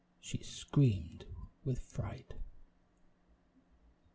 She screamed with fright.